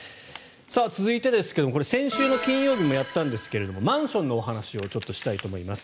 続いてですが先週金曜日もやったんですがマンションのお話をちょっとしたいと思います。